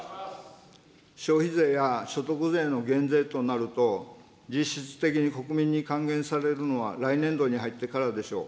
消費税や所得税の減税となると、実質的に国民に還元されるのは来年度に入ってからでしょう。